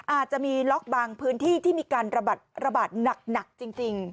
อาจจะมีล็อกบางพื้นที่ที่มีการระบาดหนักจริง